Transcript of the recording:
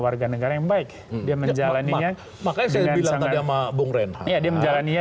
warga negara yang baik dia menjalannya makanya saya bilang tadi sama bung renha dia menjalannya